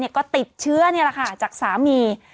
ก็ติดเชื้อจากสามี